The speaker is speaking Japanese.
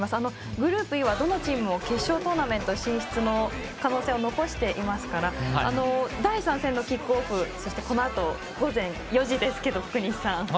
グループＥは、どのチームも決勝トーナメント進出の可能性を残していますから第３戦のキックオフそして、このあと午前４時ですけど、福西さん。